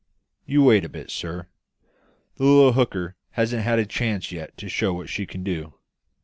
You wait a bit, sir; the little hooker hasn't had a chance yet to show what she can do.